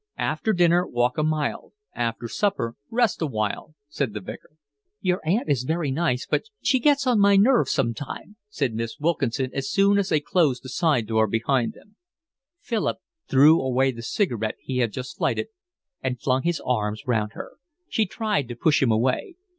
"After dinner walk a mile, after supper rest a while," said the Vicar. "Your aunt is very nice, but she gets on my nerves sometimes," said Miss Wilkinson, as soon as they closed the side door behind them. Philip threw away the cigarette he had just lighted, and flung his arms round her. She tried to push him away.